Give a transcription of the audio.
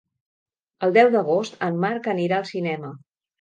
El deu d'agost en Marc anirà al cinema.